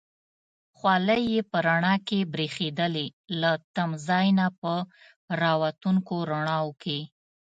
خولۍ یې په رڼا کې برېښېدلې، له تمځای نه په را وتونکو رڼاوو کې.